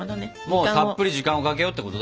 もうたっぷり時間をかけようってことだよね。